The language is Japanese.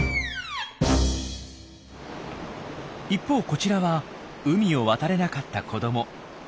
一方こちらは海を渡れなかった子ども。